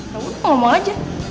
ya udah ngomong aja